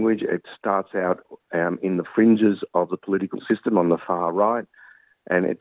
pemimpin pemimpin anti migran